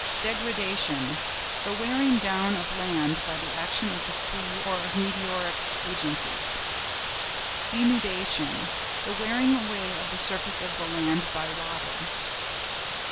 DEGRADATION.—The wearing down of land by the action of the sea or of meteoric agencies. DENUDATION.—The wearing away of the surface of the land by water.